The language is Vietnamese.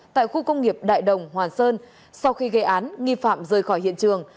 tại khu công nghiệp đại đồng hòa sơn sau khi gây án nghi phạm rời khỏi hiện trường